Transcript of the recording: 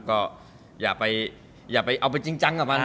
ก็อย่าไปเอาไปจริงจังกับมันฮะ